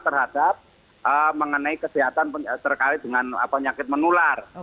terhadap mengenai kesehatan terkait dengan apa nyakit menular